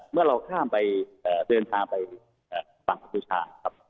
เมื่อเราข้ามไปเดินทางไปฝั่งประสุทธา